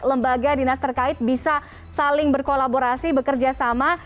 lembaga dinas terkait bisa saling berkolaborasi bekerja sama